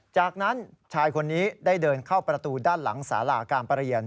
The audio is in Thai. จากนั้นชายคนนี้ได้เดินเข้าประตูด้านหลังสาราการประเรียน